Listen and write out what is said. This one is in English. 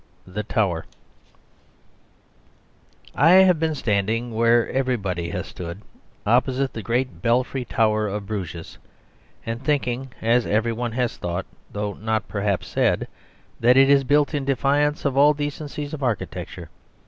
The Tower I have been standing where everybody has stood, opposite the great Belfry Tower of Bruges, and thinking, as every one has thought (though not, perhaps, said), that it is built in defiance of all decencies of architecture.